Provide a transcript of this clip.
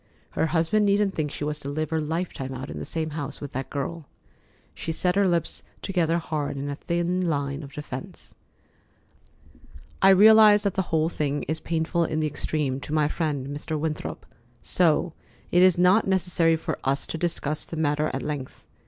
Her husband needn't think she was to live her lifetime out in the same house with that girl. She set her lips together hard in a thin line of defence. "I realize that the whole thing is painful in the extreme to my friend, Mr. Winthrop, so it is not necessary for us to discuss the matter at length.